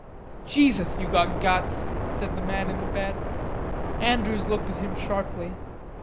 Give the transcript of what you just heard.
"Jesus, you got guts," said the man in the bed. Andrews looked at him sharply.